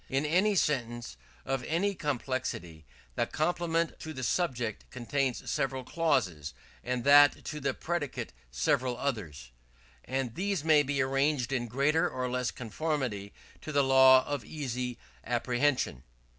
In every sentence of any complexity the complement to the subject contains several clauses, and that to the predicate several others; and these may be arranged in greater or less conformity to the law of easy apprehension.